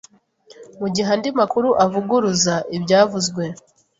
Mu gihe andi makuru avuguruza ibyavuzwe